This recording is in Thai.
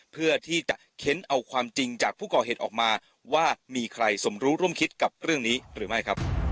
เพื่อที่จะเค้นเอาความจริงจากผู้ก่อเหตุออกมาว่ามีใครสมรู้ร่วมคิดกับเรื่องนี้หรือไม่ครับ